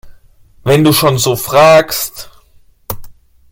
Wenn du schon so fragst!